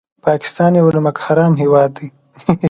پاکستان یو نمک حرام هېواد دی